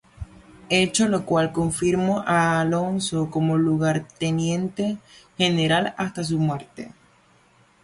Hecho lo cual, confirmó a Alonso como lugarteniente general hasta su muerte.